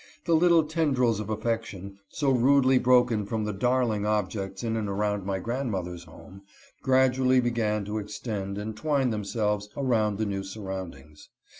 The little tendrils of affection, so rudely broken from the darling objects in and around my grandmother's home, gradually began to extend and twine themselves around the new surroundings.